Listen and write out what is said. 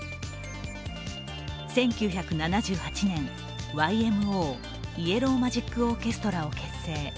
１９７８年、ＹＭＯ＝イエロー・マジック・オーケストラを結成。